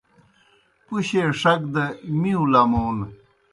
پُشیئے ݜک دہ مِیوں لمون